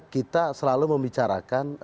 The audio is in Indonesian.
kita selalu membicarakan